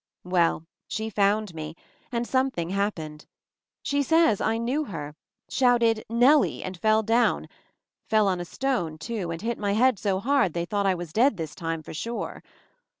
Well, she found me, and something hap pened. She says I knew her — shouted "Nellie!" and fell down — fell on a stone, too, and hit my head so hard they thought I was dead this time "for sure."